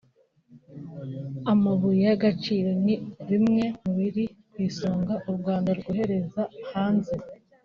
amabuye y’agaciro ni bimwe mu biri ku isonga u Rwanda rwohereza hanze